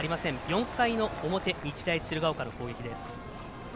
４回の表、日大鶴ヶ丘の攻撃です。